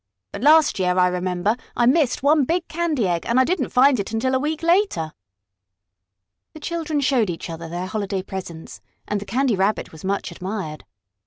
"But last year, I remember, I missed one big candy egg, and I didn't find it until a week later." The children showed each other their holiday presents, and the Candy Rabbit was much admired.